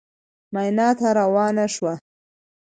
مینا ته روان شوو.